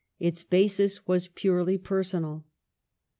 Its basis was purely per sonal.